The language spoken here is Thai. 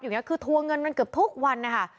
อยู่อย่างนี้คือทวงเงินเกือบทุกวันนะคะ